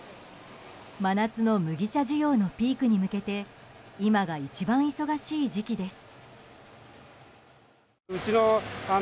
真夏の麦茶需要のピークに向けて今が一番忙しい時期です。